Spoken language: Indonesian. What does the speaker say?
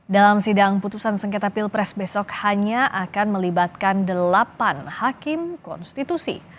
dalam sidang putusan sengketa pilpres besok hanya akan melibatkan delapan hakim konstitusi